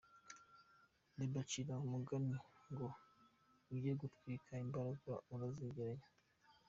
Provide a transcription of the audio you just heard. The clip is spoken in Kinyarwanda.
L abacira umugani ngo “ujya gutwika imbagara arazegeranya.